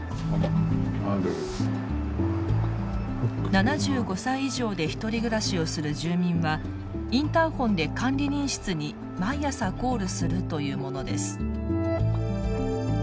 ７５歳以上でひとり暮らしをする住民はインターフォンで管理人室に毎朝コールするというものです。